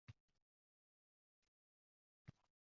shu partiyalarni o‘z holiga qo‘yib, saylovlarni demokratik ruhda